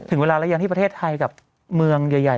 เวลาหรือยังที่ประเทศไทยกับเมืองใหญ่